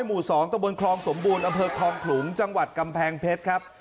กระหมู่สองตรงบนคลองสมบูรณ์อเภิกทองขลุงจังหวัดกำแพงเพชรครับ